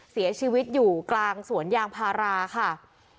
เสียชีวิตอยู่กลางสวนยางพาราค่ะ